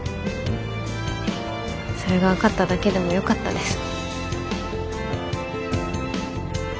それが分かっただけでもよかったです。